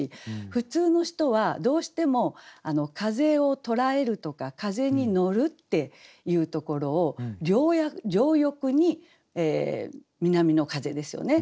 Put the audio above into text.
普通の人はどうしても風を捉えるとか風に乗るっていうところを「両翼に南の風」ですよね。